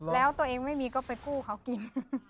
แล้วตัวเองไม่มีก็ไปกู้เขากิน